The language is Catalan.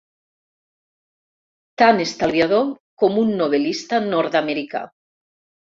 Tan estalviador com un novel·lista nord-americà.